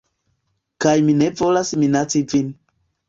Kaj mi ne volas minaci vin